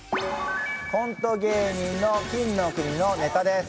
コント芸人の金の国のネタです。